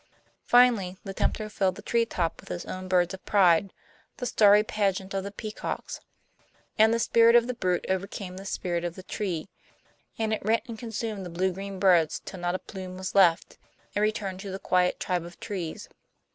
Finally, the tempter filled the tree top with his own birds of pride, the starry pageant of the peacocks. And the spirit of the brute overcame the spirit of the tree, and it rent and consumed the blue green birds till not a plume was left, and returned to the quiet tribe of trees.